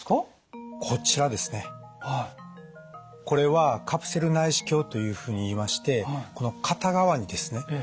これはカプセル内視鏡というふうにいいましてこの片側にですね